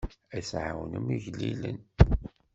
Ad tɛawnem igellilen.